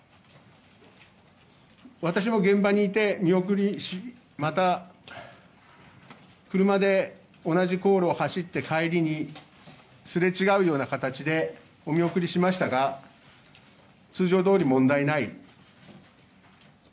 私も現場にいて見送りしまた、車で同じ航路を走って帰りにすれ違うような形でお見送りしましたが通常どおり問題ない。